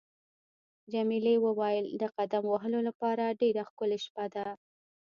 جميلې وويل: د قدم وهلو لپاره ډېره ښکلې شپه ده.